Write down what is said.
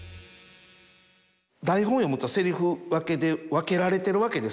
台本を読むとセリフ分けで分けられてるわけですよ。